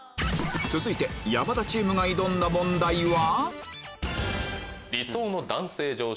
続いて山田チームが挑んだ問題は？